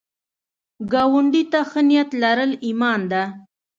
ګاونډي ته ښه نیت لرل ایمان ده